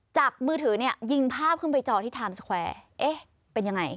จับมือถือเนี่ยยิงภาพขึ้นไปจอที่เอ๊ะเป็นยังไง